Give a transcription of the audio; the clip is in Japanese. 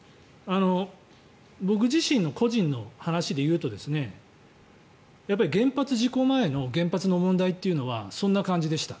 僕自身の個人の話で言うと原発事故前の原発の問題というのはそんな感じでした。